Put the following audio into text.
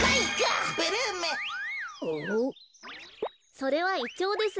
それはイチョウです。